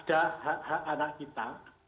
jadi ada hak hak anak kita